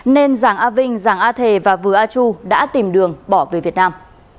nên giàng a vinh giàng a thề và vừa a chu đã tìm đường bỏ về việt nam